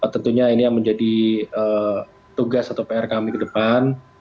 tentunya ini yang menjadi tugas atau pr kami ke depan